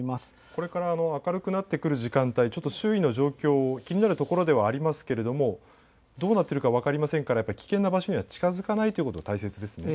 これから明るくなってくる時間帯周囲の状況、気になるところではありますがどうなっているか分かりませんから危険な場所には近づかないことが大切ですよね。